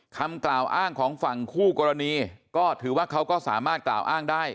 คำกล่าวอ้างของฝั่งคู่กรณีก็ถือว่าเขาก็สามารถกล่าวอ้างได้